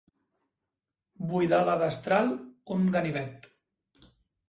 Buidar la destral, un ganivet.